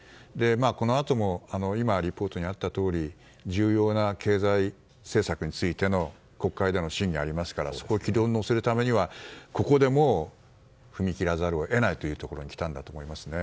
このあとも今、リポートにあったとおり重要な経済政策についての国会での審議がありますからそこを軌道に乗せるためにはここでもう踏み切らざるを得ないというところに来たんだと思いますね。